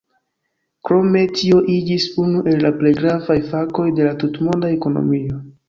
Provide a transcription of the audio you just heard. Krome tio iĝis unu el la plej gravaj fakoj de la tutmonda ekonomio.